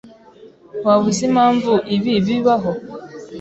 Waba uzi impamvu ibi bibaho?